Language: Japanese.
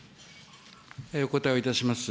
お答えをいたします。